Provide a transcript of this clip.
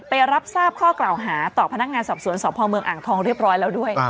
ไปรับทราบข้อกล่าวหาต่อพนักงานสอบสวนสพเมืองอ่างทองเรียบร้อยแล้วด้วย